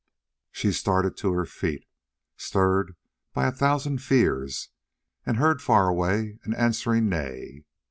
She started to her feet, stirred by a thousand fears, and heard, far away, an answering neigh.